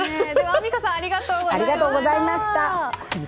アンミカさんありがとうございました。